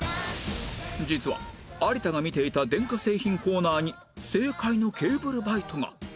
実は有田が見ていた電化製品コーナーに正解のケーブルバイトが